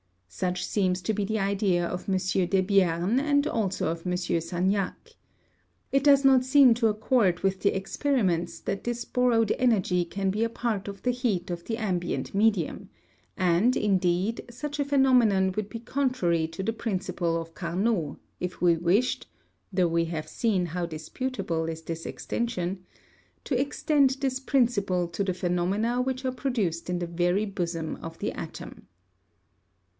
Such seems to be the idea of M. Debierne and also of M. Sagnac. It does not seem to accord with the experiments that this borrowed energy can be a part of the heat of the ambient medium; and, indeed, such a phenomenon would be contrary to the principle of Carnot if we wished (though we have seen how disputable is this extension) to extend this principle to the phenomena which are produced in the very bosom of the atom.